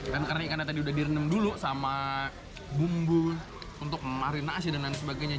dan karena ikannya tadi sudah direnem dulu sama bumbu untuk marinas dan lain sebagainya